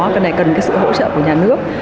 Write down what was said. cái này cần cái sự hỗ trợ của nhà nước